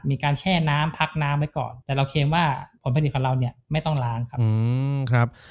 แช่น้ำพักน้ำไว้ก่อนแต่เราเคลมว่าผลผลิตของเราเนี่ยไม่ต้องล้างครับ